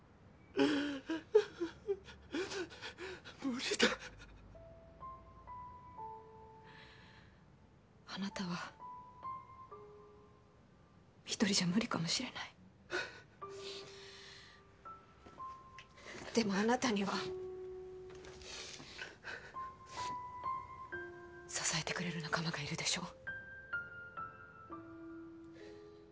ううっ無理だあなたは１人じゃ無理かもしれないでもあなたには支えてくれる仲間がいるでしょう？